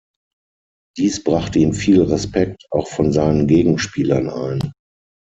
Dies brachte ihm viel Respekt, auch von seinen Gegenspielern ein.